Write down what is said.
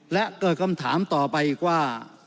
และเกิดคำถามต่อไปอีกว่า